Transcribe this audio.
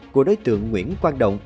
của đối tượng nguyễn quang động